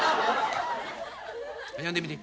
読んでみて。